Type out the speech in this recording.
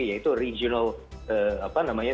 yaitu regional apa namanya